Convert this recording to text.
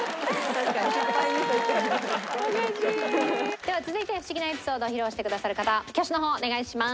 では続いてフシギなエピソードを披露してくださる方挙手の方お願いします。